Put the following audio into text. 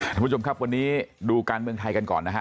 ท่านผู้ชมครับวันนี้ดูการเมืองไทยกันก่อนนะฮะ